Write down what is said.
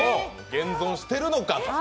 現存してるのか？